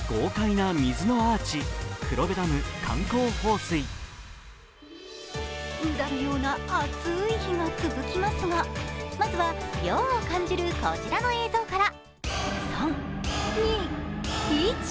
うだるような暑い日が続きますがまずは涼を感じるこちらの映像から。